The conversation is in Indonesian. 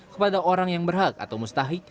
kepada orang yang berhak atau mustahik